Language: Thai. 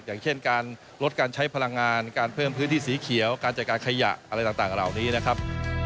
อย่างเช่นการลดการใช้พลังงานการเพิ่มพื้นที่สีเขียวการจัดการขยะอะไรต่างเหล่านี้นะครับ